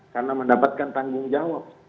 karena mendapatkan tanggung jawab